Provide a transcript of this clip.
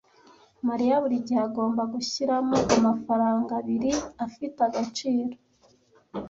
Mariya buri gihe agomba gushyiramo amafaranga abiri afite agaciro.